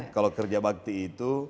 kalau kerja bakti itu